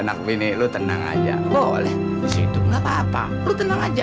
anak bini lo tenang aja boleh disitu gak apa apa lo tenang aja